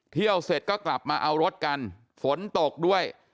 เที่ยวเสร็จก็กลับมาเอารถกันฝนตกด้วย